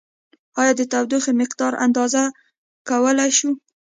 ایا د تودوخې مقدار اندازه کولای شو؟